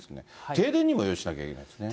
停電にも用意しなきゃいけないですね。